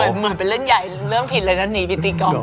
เหมือนเป็นเรื่องใหญ่เรื่องผิดเลยนะหนีบิติกอง